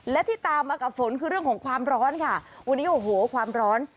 และที่ตามมากับฝนคือเรื่องของความร้อนค่ะวันนี้โอ้โหความร้อน